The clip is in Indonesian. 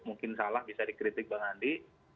mungkin salah bisa dikritik bang andi